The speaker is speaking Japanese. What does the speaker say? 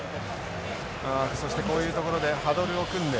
あそしてこういうところでハドルを組んで。